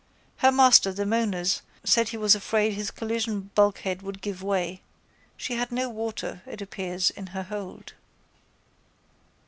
Her master, the Mona's, said he was afraid his collision bulkhead would give way. She had no water, it appears, in her hold.